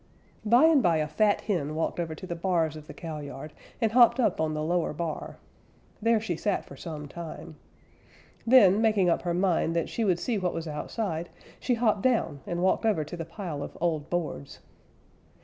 By and by a fat hen walked over to the bars of the cowyard and hopped up on the lower bar. There she sat for some time. Then, making up her mind that she would see what was outside, she hopped down and walked over to the pile of old boards.